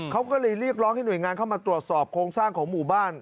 เขาก็เลยเรียกร้องให้หน่วยงานเข้ามาตรวจสอบโครงสร้างของหมู่บ้าน